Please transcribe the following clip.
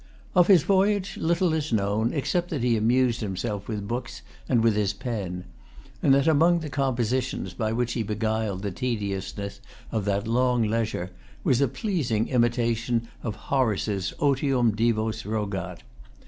Of his voyage little is known, except that he amused himself with books and with his pen; and that among the compositions by which he beguiled the tediousness of that long leisure, was a pleasing imitation of Horace's Otium Divos rogat.